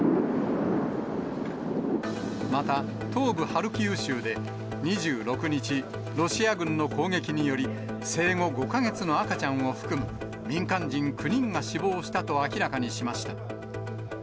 また、東部ハルキウ州で、２６日、ロシア軍の攻撃により、生後５か月の赤ちゃんを含む、民間人９人が死亡したと明らかにしました。